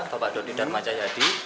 bapak dodi darmacayadi